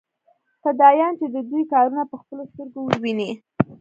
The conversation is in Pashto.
فدايان چې د دوى کارونه په خپلو سترګو وويني.